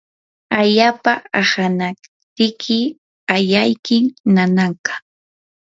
allapa ahanaptiki ayaykim nananqa.